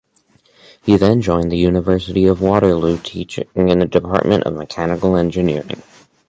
He then joined the University of Waterloo teaching in the department of mechanical engineering.